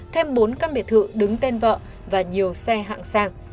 thêm bốn căn biệt thự đứng tên vợ và nhiều xe hạng sang